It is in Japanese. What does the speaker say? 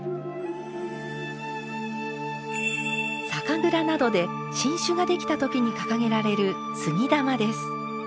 酒蔵などで新酒ができた時に掲げられる杉玉です。